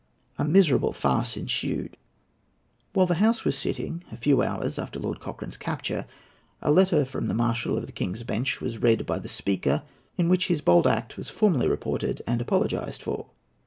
A miserable farce ensued. While the House was sitting, a few hours after Lord Cochrane's capture, a letter from the Marshal of the King's Bench was read by the Speaker, in which his bold act was formally reported and apologized for.